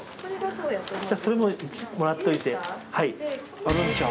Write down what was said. じゃそれももらっといて。